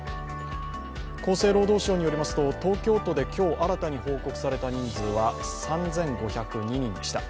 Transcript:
厚生労働省によりますと、東京都で今日新たに報告された人数は３５０２人でした。